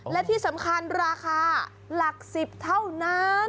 และที่สำคัญราคาหลัก๑๐เท่านั้น